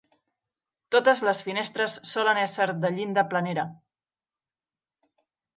Totes les finestres solen esser de llinda planera.